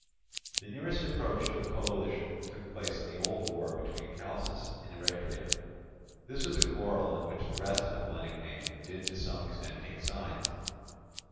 The nearest approach to a coalition took place in the old war between Chalcis and Eretria; this was a quarrel in which the rest of the Hellenic name did to some extent take sides.